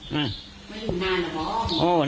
ชื่อประโยชน์